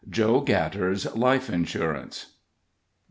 JOE GATTER'S LIFE INSURANCE.